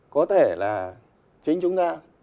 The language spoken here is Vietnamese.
có thể là chính chúng ta